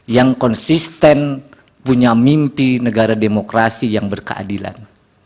yang konsisten punya mimpi negara demokrasi yang berkeadilan